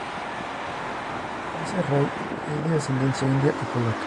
Lisa Ray es de ascendencia india y polaca.